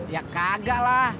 ya kagak lah